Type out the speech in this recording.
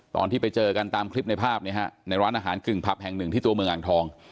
ตอนที่ไปเจอกันตามคลิปในภาพเนี่ยฮะในร้านอาหารกึ่งผับแห่งหนึ่งที่ตัวเมืองอ่างทอง